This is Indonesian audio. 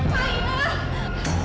ya allah payah